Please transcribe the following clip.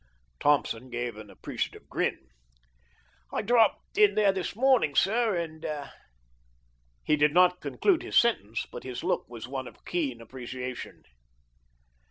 Thompson gave an appreciative grin. "I dropped in there this morning, sir, and " He did not conclude his sentence; but his look was one of keen appreciation.